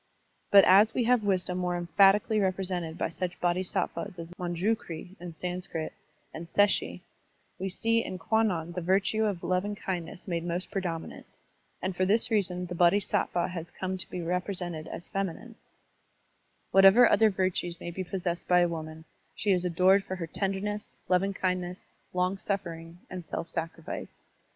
But a§ we have wisdom more emphatic Digitized by Google KWANNON BOSATZ 1 65 ally represented by such Bodhisattvas as Monju (Manjugri in Sanskrit) and Seshi, we see in Kwannon the virtue of lovingkindness made most predominant, and for this reason the Bo dhisattva has come to be represented as feminine. Whatever other virtues may be possessed by woman, she is adored for her tenderness, loving kindness, longsuffering, and self sacrifice.